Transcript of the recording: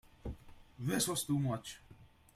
This was too much.